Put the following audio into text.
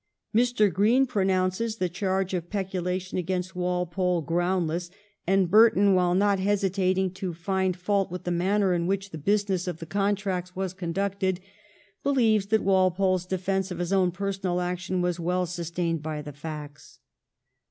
Mr. Green pronounces the charge of peculation against Walpole ' groundless,' and Burton, while not hesitating to find fault with the manner in which the business of the contracts was conducted, believes that Walpole's defence of his own personal action was well sustained by the facts.